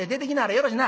よろしな。